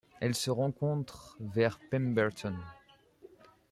Elle se rencontre vers Pemberton.